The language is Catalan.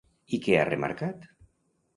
I què ha remarcat?